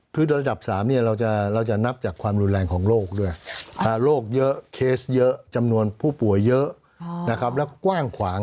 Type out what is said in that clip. คือระดับ๓เราจะนับจากความรุนแรงของโรคด้วยโรคเยอะเคสเยอะจำนวนผู้ป่วยเยอะนะครับแล้วก็กว้างขวาง